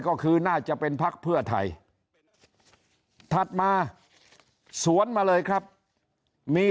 ก็คือน่าจะเป็นพักเพื่อไทยถัดมาสวนมาเลยครับมี